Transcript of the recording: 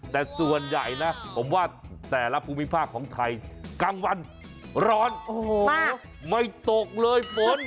แต่ส่วนใหญ่นะผมว่าแต่ละภูมิภาคของไทยกลางวันร้อนโอ้โหไม่ตกเลยฝน